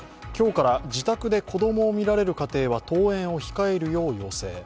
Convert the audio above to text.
今日から自宅で子供を見られる家庭は登園を控えるよう要請。